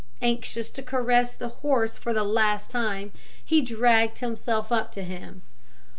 Anxious to caress the horse for the last time, he dragged himself up to him.